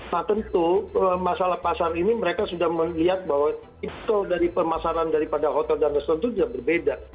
nah tentu masalah pasar ini mereka sudah melihat bahwa itu dari pemasaran daripada hotel dan restoran itu juga berbeda